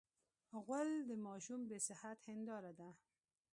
غول د ماشوم د صحت هنداره ده.